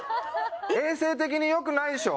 衛生的によくないでしょ？